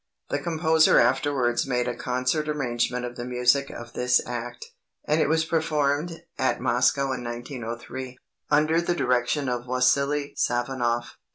The composer afterwards made a concert arrangement of the music of this act, and it was performed at Moscow in 1903, under the direction of Wassily Safonoff.